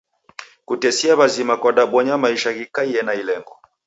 Kutesia w'azima kwadabonya maisha ghikaiye na ilengo.